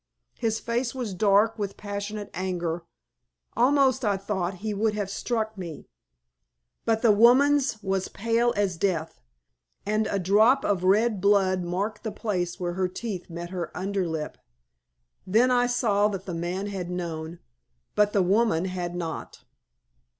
His face was dark with passionate anger, almost I thought he would have struck me. But the woman's was pale as death, and a drop of red blood marked the place where her teeth met her under lip. Then I saw that the man had known, but the woman had not.